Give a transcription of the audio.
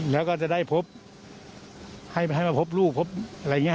แล้วก็จะได้พบให้มาพบลูกพบอะไรอย่างนี้